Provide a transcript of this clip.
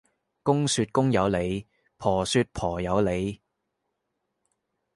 公說公有理，婆說婆有理